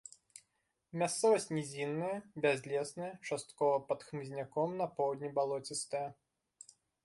Мясцовасць нізінная, бязлесная, часткова пад хмызняком, на поўдні балоцістая.